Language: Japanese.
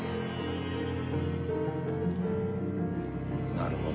なるほど。